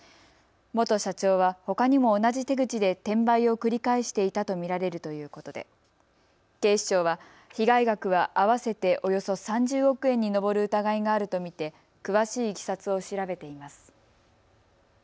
元社長はほかにも同じ手口で転売を繰り返していたと見られるということで警視庁は被害額は合わせておよそ３０億円に上る疑いがあると見て詳しいいきさつを調べています。